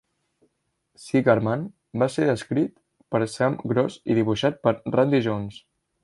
Cigarman va ser escrit per Sam Gross i dibuixat per Randy Jones.